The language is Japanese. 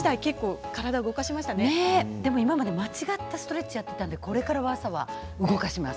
今まで間違ったストレッチだったので、これから朝は動かします。